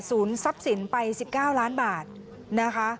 ทรัพย์สินไป๑๙ล้านบาทนะคะ